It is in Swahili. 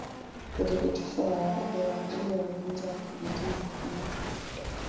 Uthibitisho wa awali wa ugonjwa wa kimeta ni kupumua kwa shida